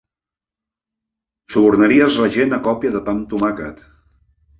Subornaries la gent a còpia de pa amb tomàquet.